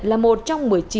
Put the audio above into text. là một trong những địa phương